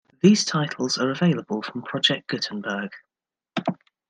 These titles are available from Project Gutenberg.